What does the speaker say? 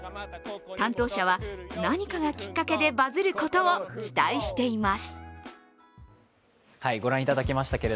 担当者は何かがきっかけでバズることを期待しています。